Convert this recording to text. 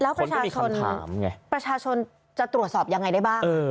แล้วประชาชนจะตรวจสอบยังไงได้บ้าง